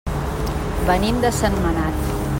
Venim de Sentmenat.